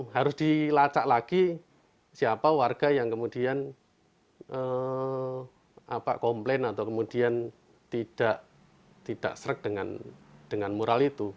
harus dilacak lagi siapa warga yang kemudian komplain atau kemudian tidak serek dengan mural itu